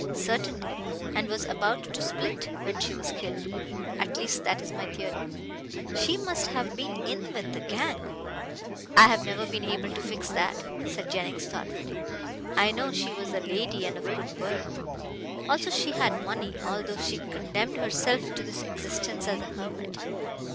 "Certainly, and was about to split when she was killed. At least, that is my theory." "She must have been in with the gang." "I have never been able to fix that," said Jennings thoughtfully. "I know she was a lady and of good birth. Also she had money, although she condemned herself to this existence as a hermit.